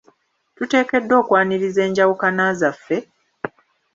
Tuteekeddwa okwaniriza enjawukana zaffe?